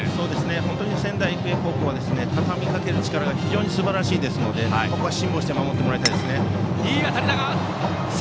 本当に仙台育英高校はたたみかける力が非常にすばらしいですので辛抱して守ってほしいですね。